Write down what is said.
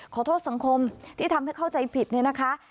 ขอโทษสังคมที่ทำให้เข้าใจผิดเนี่ยนะคะ